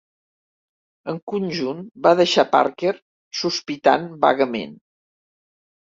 En conjunt va deixar Parker sospitant vagament.